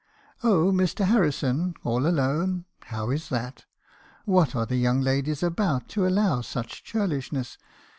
" 'Oh, Mr. Harrison, all alone! How is that? What are the young ladies about to allow such churlishness?